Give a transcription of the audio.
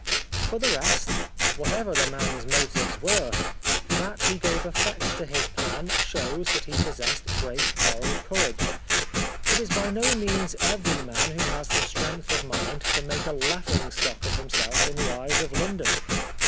For the rest, whatever the man's motives were, that he gave effect to his plan shows that he possessed great moral courage. It is by no means every man who has the strength of mind to make a laughing stock of himself in the eyes of London.